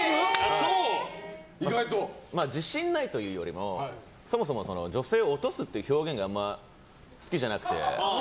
自信ないというよりもそもそも女性をオトすっていう表現があんまり好きじゃなくて。